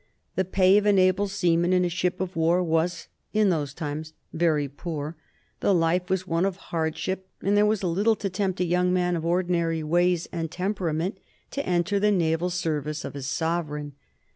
The pay of an able seaman in a ship of war was, in those times, very poor; the life was one of hardship, and there was little to tempt a young man of ordinary ways and temperament to enter the naval service of his sovereign.